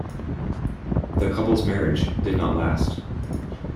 The couple's marriage did not last.